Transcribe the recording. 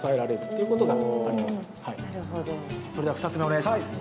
それでは２つ目お願いします。